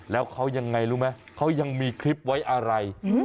แล้วเขายังไงรู้ไหมเขายังมีคลิปไว้อะไร